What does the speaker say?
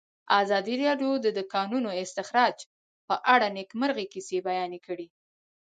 ازادي راډیو د د کانونو استخراج په اړه د نېکمرغۍ کیسې بیان کړې.